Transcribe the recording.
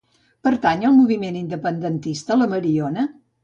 Pertany al moviment independentista la Mariona?